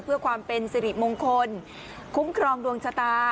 เพื่อความเป็นสิริมงคลคุ้มครองดวงชะตา